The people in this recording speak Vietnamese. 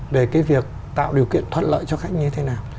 về cái việc tạo điều kiện thuận lợi cho khách như thế nào